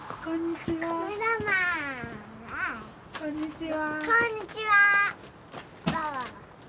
こんにちは。